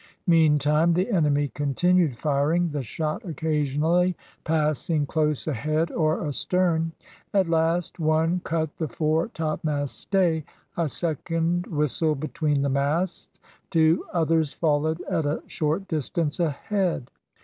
Meantime the enemy continued firing, the shot occasionally passing close ahead or astern. At last one cut the fore topmast stay, a second whistled between the masts, two others followed at a short distance ahead.